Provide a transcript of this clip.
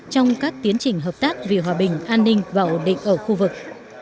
trong các tiến trình hợp tác vì hòa bình an ninh và ổn định ở khu vực